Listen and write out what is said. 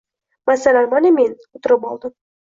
Masalan, mana men, o‘tirib oldim.